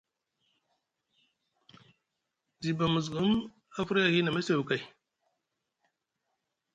Ziba Musgum a firya ahi na mesew kay.